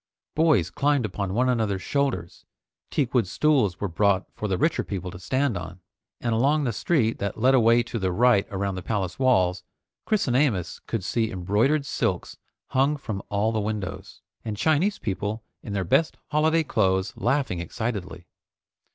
Boys climbed upon one another's shoulders, teakwood stools were brought for the richer people to stand on, and along the street that led away to the right around the palace walls, Chris and Amos could see embroidered silks hung from all the windows, and Chinese people in their best holiday clothes laughing excitedly.